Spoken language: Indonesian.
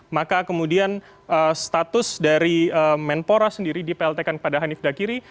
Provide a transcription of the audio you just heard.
maka kemudian status dari menpora sendiri di pltkan kepada hanif dakiri